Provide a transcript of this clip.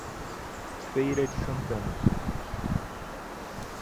Feira de Santana